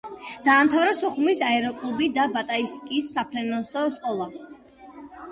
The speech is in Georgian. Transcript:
დაამთავრა სოხუმის აეროკლუბი და ბატაისკის საფრენოსნო სკოლა.